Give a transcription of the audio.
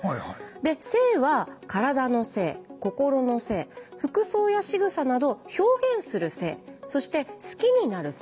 で性は「体の性」「心の性」服装やしぐさなど「表現する性」そして「好きになる性」。